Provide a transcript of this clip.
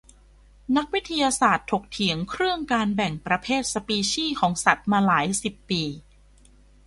นักวิทยาศาสตร์ถกเถียงเครื่องการแบ่งประเภทสปีชีส์ของสัตว์มาหลายสิบปี